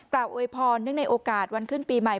อวยพรเนื่องในโอกาสวันขึ้นปีใหม่